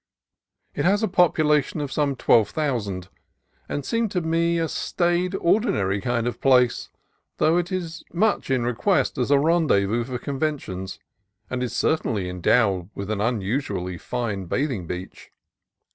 It has a population of some twelve thousand, and seemed to me a staid, ordinary kind of place, though it is much in request as a rendez vous for conventions, and is certainly endowed with an unusually fine bathing beach.